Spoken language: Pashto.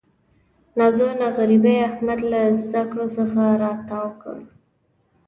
ناځوانه غریبۍ احمد له زده کړو څخه را تاو کړ.